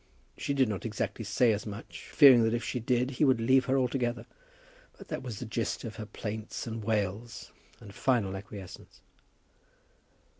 She did not exactly say as much, fearing that if she did he would leave her altogether; but that was the gist of her plaints and wails, and final acquiescence.